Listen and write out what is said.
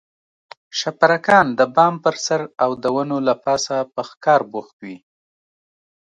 شپرکان د بام پر سر او د ونو له پاسه په ښکار بوخت وي.